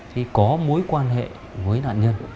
thì có mối quan hệ với nạn nhân